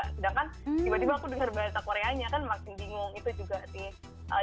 sedangkan tiba tiba aku dengar bahasa koreanya kan makin bingung itu juga sih